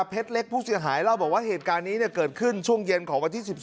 เล็กผู้เสียหายเล่าบอกว่าเหตุการณ์นี้เกิดขึ้นช่วงเย็นของวันที่๑๒